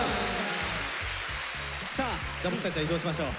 さあ僕たちは移動しましょう。